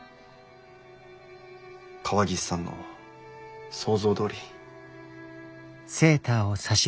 川岸さんの想像どおり。